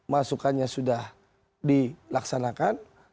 masukannya sudah dilaksanakan